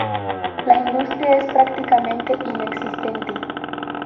La industria es prácticamente inexistente.